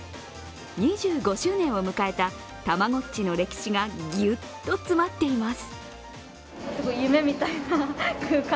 ２５周年を迎えた、たまごっちの歴史がギュッと詰まっています。